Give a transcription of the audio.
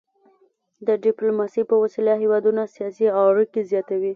د ډيپلوماسي په وسيله هیوادونه سیاسي اړيکي زیاتوي.